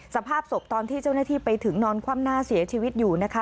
สภาพศพตอนที่เจ้าหน้าที่ไปถึงนอนคว่ำหน้าเสียชีวิตอยู่นะคะ